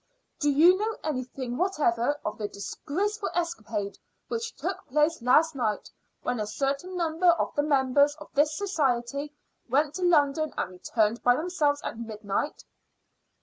"Do you know anything whatever of the disgraceful escapade which took place last night, when a certain number of the members of this society went to London and returned by themselves at midnight?"